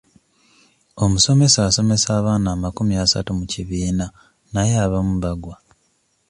Omusomesa asomesa abaana amakumi asatu mu kibiina naye abamu bagwa.